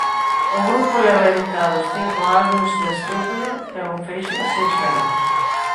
O grupo leva editados cinco álbums de estudio e un feixe de sinxelos.